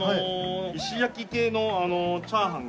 石焼き系のチャーハン？